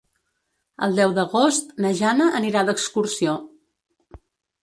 El deu d'agost na Jana anirà d'excursió.